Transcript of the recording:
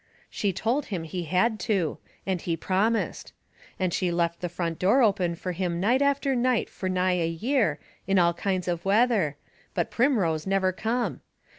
She told him he had to, and he promised. And she left the front door open fur him night after night fur nigh a year, in all kinds of weather; but Primrose never come.